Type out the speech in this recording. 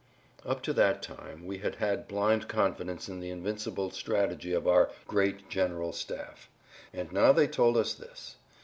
Up to that time we had had blind confidence in the invincible strategy of our "Great General Staff," and now they told us this.